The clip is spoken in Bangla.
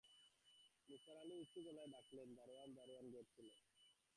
নিসার আলি উঁচু গলায় ডাকলেন, দারোয়ান, দারোয়ান, গেট খুলে দাও।